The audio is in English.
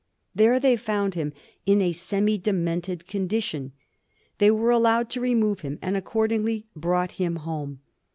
There they found him in a semi demented condition. They were allowed to remove him, and accordingly brought him home.